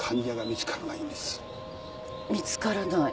見つからない？